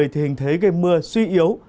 thì hình thế gây mưa suy yếu